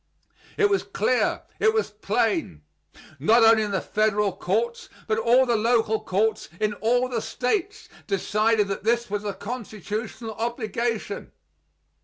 It was clear; it was plain. Not only the federal courts, but all the local courts in all the States, decided that this was a constitutional obligation.